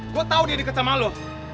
gue tau dia deket sama lo